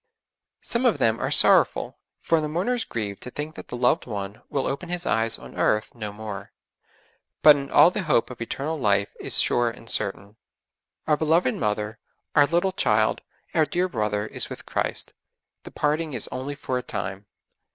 Some of them are sorrowful, for the mourners grieve to think that the loved one will open his eyes on earth no more; but in all the hope of eternal life is sure and certain. Our beloved mother, our little child, our dear brother is with Christ; the parting is only for a time.